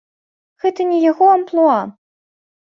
Гэта не яго амплуа.